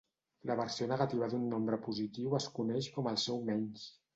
La versió negativa d'un nombre positiu es coneix com el seu menys.